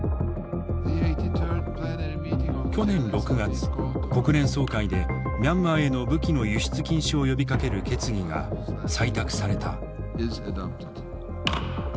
去年６月国連総会でミャンマーへの武器の輸出禁止を呼びかける決議が採択された。